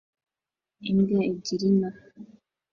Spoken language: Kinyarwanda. Imbwa ebyiri nto